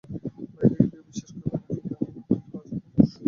বাইরে থেকে কেউ বিশ্বাস করবে না, কিন্তু আমি অত্যন্ত লাজুক মানুষ।